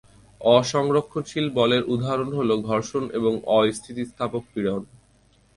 অ-সংরক্ষণশীল বলের উদাহরণ হলঃ ঘর্ষণ এবং অ-স্থিতিস্থাপক পীড়ন।